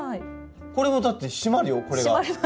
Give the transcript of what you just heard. これもだって締まるよこれが。